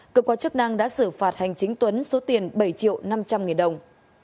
cơ quan chức năng đã xử phạt hành chính tuấn số tiền bảy triệu năm trăm linh nghìn đồng